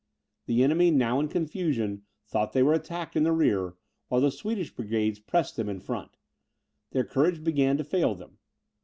The enemy, now in confusion, thought they were attacked in the rear, while the Swedish brigades pressed them in front. Their courage began to fail them.